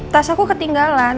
tas aku ketinggalan